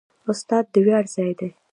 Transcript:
استاد د ویاړ ځای لري.